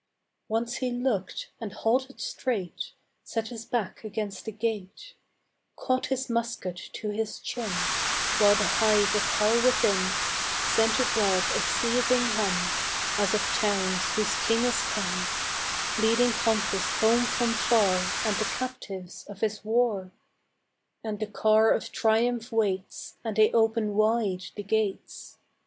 Once he looked, and halted straight, Set his back against the gate, Caught his musket to his chin, While the hive of hell within Sent abroad a seething hum As of towns whose king is come Leading conquest home from far And the captives of his war, And the car of triumph waits, And they open wide the gates.